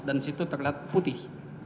dan di situ terlihat putih